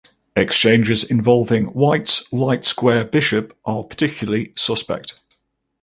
Exchanges involving White's light-square bishop are particularly suspect.